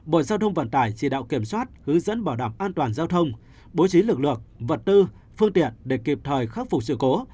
bộ giao thông vận tải chỉ đạo kiểm soát hướng dẫn bảo đảm an toàn giao thông bố trí lực lượng vật tư phương tiện để kịp thời khắc phục sự cố